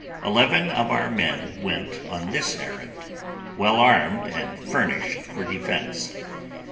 Eleven of our men went on this errand, well armed and furnished for defence.